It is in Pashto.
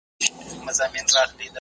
ایا د اورګاډي پټلۍ جوړه سوې ده؟